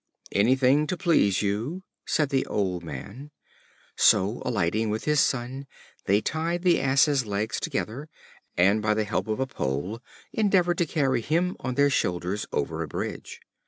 "Anything to please you," said the old Man. So, alighting with his Son, they tied the Ass's legs together, and by the help of a pole endeavored to carry him on their shoulders over a bridge.